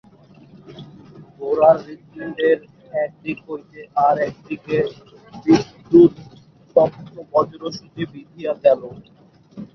গোরার হৃৎপিণ্ডের এক দিক হইতে আর-এক দিকে বিদ্যুৎতপ্ত বজ্রসূচী বিঁধিয়া গেল।